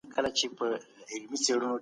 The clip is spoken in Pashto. موږ بايد خپل ژوند ته ارزښت ورکړو.